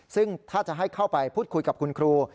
ซึ่งถ้าจะให้เข้าไปพูดคุยกับคุณครู